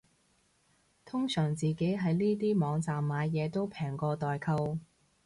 通常自己喺呢啲網站買嘢都平過代購